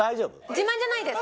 自慢じゃないです。